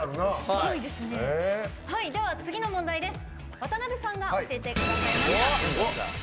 では次の問題です。